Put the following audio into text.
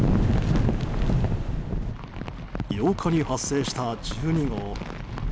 ８日に発生した１２号。